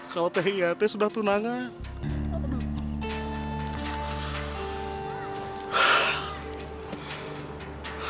kalau tihikate sudah tunangan